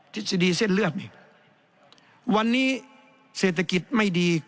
ทฤษฎีเส้นเลือดนี่วันนี้เศรษฐกิจไม่ดี